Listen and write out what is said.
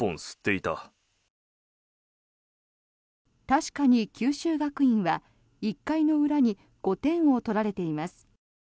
確かに九州学院は、１回の裏に５点を取られています。